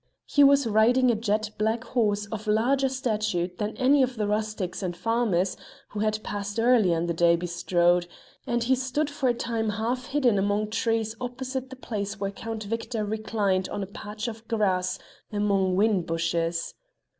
He was riding a jet black horse of larger stature than any that the rustics and farmers who had passed earlier in the day bestrode, and he stood for a time half hidden among trees opposite the place where Count Victor reclined on a patch of grass among whin bushes.